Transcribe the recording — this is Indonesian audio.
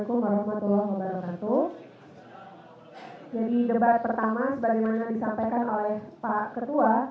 sebagaimana disampaikan oleh pak ketua